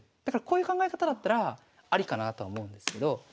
だからこういう考え方だったらありかなとは思うんですけど。